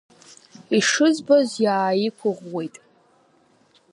Ишызбоз иааиқәыӷәӷәеит.